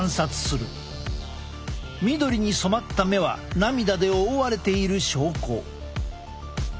緑に染まった目は涙で覆われている証拠。